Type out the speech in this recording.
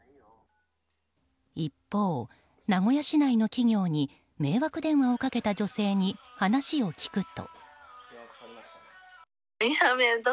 一方、名古屋市内の企業に迷惑電話をかけた女性に話を聞くと。